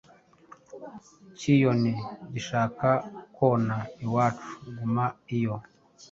Kiyone gishaka kona iwacu guma iyo